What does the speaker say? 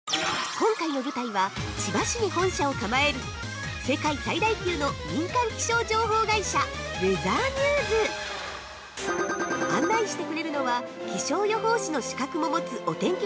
◆今回の舞台は、千葉市に本社を構える世界最大級の民間気象情報会社「ウェザーニューズ」。案内してくれるのは、気象予報士の資格も持つお天気